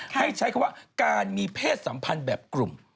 ให้ใช้คำว่าการมีเพศสัมพันธ์แบบกลุ่ม